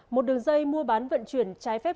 một đường dây mua bán vận chuyển trái phép